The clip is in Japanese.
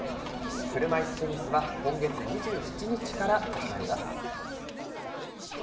車いすテニスは今月２７日から始まります。